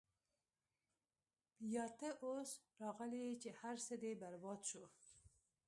يا تۀ اوس راغلې چې هر څۀ دې برباد شو -